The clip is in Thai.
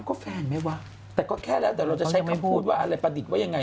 ก็แฟนไหมวะแต่ก็แค่แล้วแต่เราจะใช้คำพูดว่าอะไรประดิษฐ์ว่ายังไง